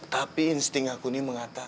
tapi insting aku ini mengatakan